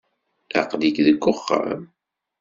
Aql-ik deg wexxam.